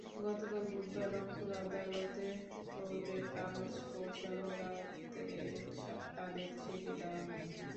গতকাল বুধবার রংপুর আদালতে কোর্টের কাগজ পৌঁছালে রাতে তাঁদের ছেড়ে দেওয়া হয়।